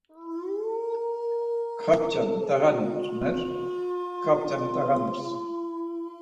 Kapça mit̆ağani vutzomer, kapça mit̆ağanams.